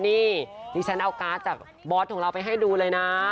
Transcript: นี่ดิฉันเอาการ์ดจากบอสของเราไปให้ดูเลยนะ